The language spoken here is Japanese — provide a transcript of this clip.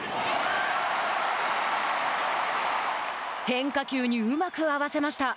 変化球にうまく合わせました。